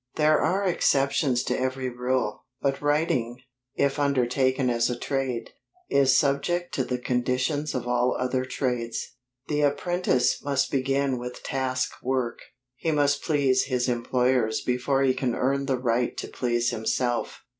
There are exceptions to every rule; but writing, if undertaken as a trade, is subject to the conditions of all other trades. The apprentice must begin with task work; he must please his employers before he can earn the right to please himself.